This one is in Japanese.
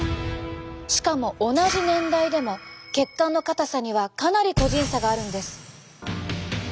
しかも同じ年代でも血管の硬さにはかなり個人差があるんです。